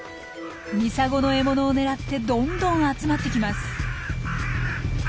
ミサゴの獲物を狙ってどんどん集まってきます。